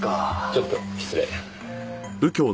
ちょっと失礼。